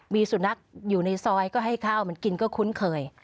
มีสุนัขอยู่ในซอยก็ให้ข้าวมันกินก็คุ้นเคย